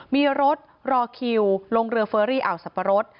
มีรถรอคิวลงเรือเฟอรี่อ่าวสับปะรด